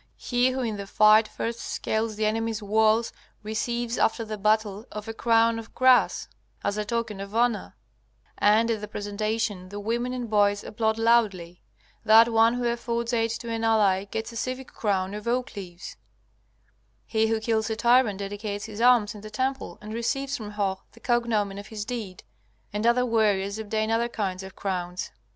He who in the fight first scales the enemy's walls receives after the battle of a crown of grass, as a token of honor, and at the presentation the women and boys applaud loudly; that one who affords aid to an ally gets a civic crown of oak leaves; he who kills a tyrant dedicates his arms in the temple and receives from Hoh the cognomen of his deed, and other warriors obtain other kinds of crowns.